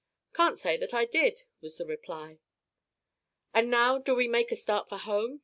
"Can't say that I did," was the reply. "And now, do we make a start for home?"